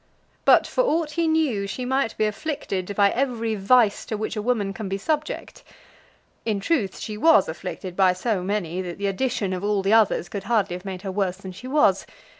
But, for aught he knew, she might be afflicted by every vice to which a woman can be subject. In truth, she was afflicted by so many, that the addition of all the others could hardly have made her worse than she was.